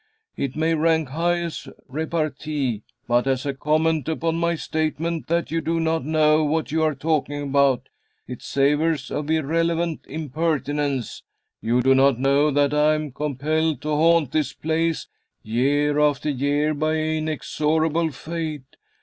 "It may rank high as repartee, but as a comment upon my statement that you do not know what you are talking about, it savors of irrelevant impertinence. You do not know that I am compelled to haunt this place year after year by inexorable fate.